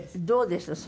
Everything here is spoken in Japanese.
どうです？